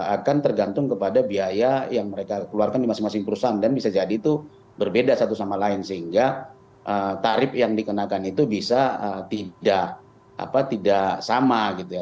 akan tergantung kepada biaya yang mereka keluarkan di masing masing perusahaan dan bisa jadi itu berbeda satu sama lain sehingga tarif yang dikenakan itu bisa tidak sama gitu ya